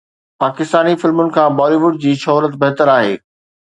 پاڪستاني فلمن کان بالي ووڊ جي شهرت بهتر آهي